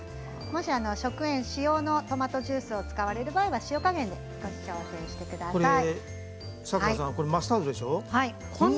もし食塩使用のトマトジュースを使われる場合は塩加減を少し調整してください。